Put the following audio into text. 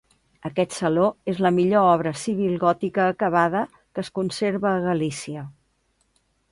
Aquest saló és la millor obra civil gòtica acabada que es conserva a Galícia.